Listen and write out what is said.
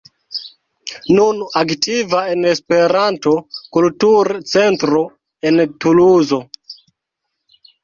Nun aktiva en Esperanto-Kultur-Centro en Tuluzo.